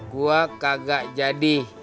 gue kagak jadi